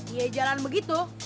iya jalan begitu